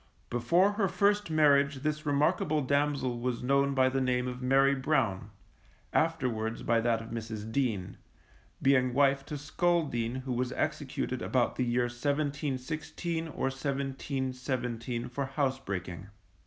Before her first marriage this remarkable damsel was known by the name of Mary Brown, afterwards by that of Mrs. Dean, being wife to Skull Dean who was executed about the year 1716 or 1717 for housebreaking.